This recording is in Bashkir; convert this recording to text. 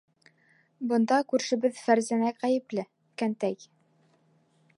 Бында күршебеҙ Фәрзәнә ғәйепле, кәнтәй!